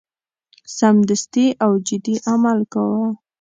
سمدستي او جدي عمل کاوه.